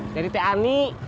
dari teh ani